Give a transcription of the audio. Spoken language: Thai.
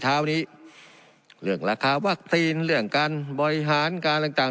เช้านี้เรื่องราคาวัคซีนเรื่องการบริหารการต่างต่าง